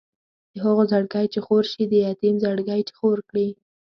د هغو زړګی چې خور شي د یتیم زړګی چې خور کړي.